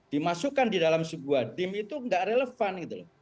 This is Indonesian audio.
dimasukkan di dalam sebuah tim itu nggak relevan gitu